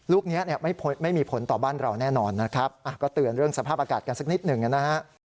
ลูกนี้ไม่มีผลต่อบ้านเราแน่นอนนะครับก็เตือนเรื่องสภาพอากาศกันสักนิดหนึ่งนะฮะ